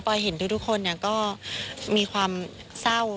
เห็นทุกคนก็มีความเศร้า